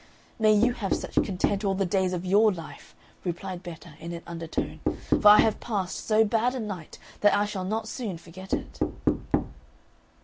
"May you have such content all the days of your life!" replied Betta in an undertone; "for I have passed so bad a night that I shall not soon forget it."